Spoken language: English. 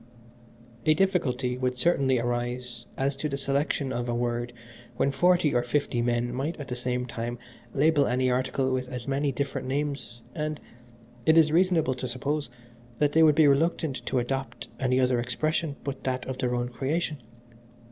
"A difficulty would certainly arise as to the selection of a word when forty or fifty men might at the same time label any article with as many different names, and, it is reasonable to suppose, that they would be reluctant to adopt any other expression but that of their own creation.